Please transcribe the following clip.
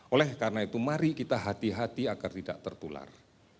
oleh karena itu mari kita hati hati agar tidak tertular